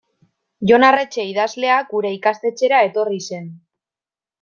Jon Arretxe idazlea gure ikastetxera etorri zen.